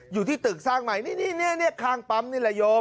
อยู่ที่ตึกสร้างใหม่นี่ข้างปั๊มนี่แหละโยม